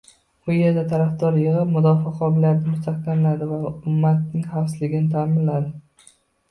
U yerda tarafdorlar yig‘ib, mudofaa qobiliyatini mustahkamladi va ummatining xavfsizligini ta’minladi